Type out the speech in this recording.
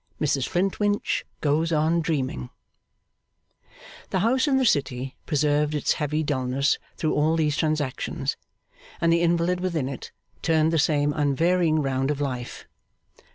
Mrs Flintwinch goes on Dreaming The house in the city preserved its heavy dulness through all these transactions, and the invalid within it turned the same unvarying round of life.